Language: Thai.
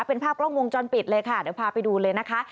เป็นภาพกล้องวงจรปิดเลยค่ะเดี๋ยวพาไปดูเลยนะคะ